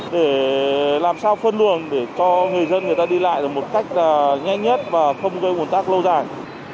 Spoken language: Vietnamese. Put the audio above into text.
để làm sao phân luồng để cho người dân người ta đi lại được một cách nhanh nhất và không gây ồn tắc lâu dài